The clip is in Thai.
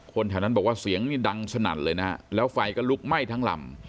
แถวนั้นบอกว่าเสียงนี่ดังสนั่นเลยนะฮะแล้วไฟก็ลุกไหม้ทั้งลำ